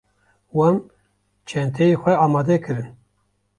Wan çenteyê xwe amade kirin.